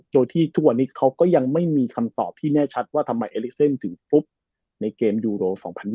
โดยที่ทุกวันนี้เขาก็ยังไม่มีคำตอบที่แน่ชัดว่าทำไมเอลิเซนถึงฟุบในเกมยูโร๒๐๒๐